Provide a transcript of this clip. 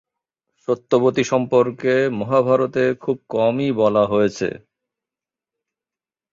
সত্যবতী সম্পর্কে মহাভারতে খুব কমই বলা হয়েছে।